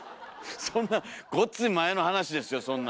そんなごっつい前の話ですよそんな。